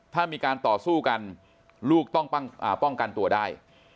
ถ้ามีการต่อสู้กันลูกต้องป้องกันตัวได้